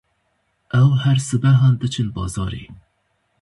Ew her sibehan diçin bazarê.